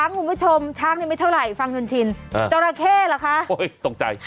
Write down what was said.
นี้ไม่ชมช้างเนี่ยไม่เท่าไหร่ฟังจนชินเออจราเข้ละคะโอ้ยตกใจ